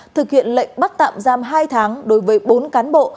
thực hiện lệnh bắt tạm giam hai tháng đối với bốn cán bộ